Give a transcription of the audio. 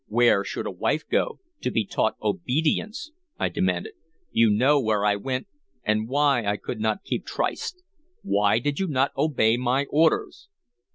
"Where should a wife go to be taught obedience?" I demanded. "You know where I went and why I could not keep tryst. Why did you not obey my orders?"